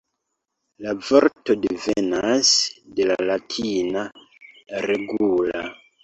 La vorto devenas de la latina "regula".